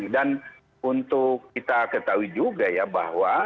dan untuk kita ketahui juga ya bahwa